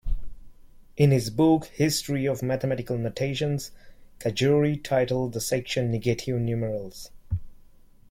In his book "History of Mathematical Notations", Cajori titled the section "Negative numerals".